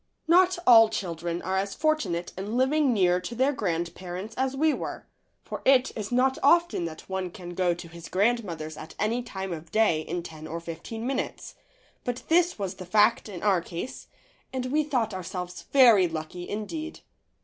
Not all children are as fortunate in living near to their grandparents as we were, for it is not often that one can go to his grandmother's at any time of day in ten or fifteen minutes, but this was the fact in our case and we thought ourselves very lucky indeed.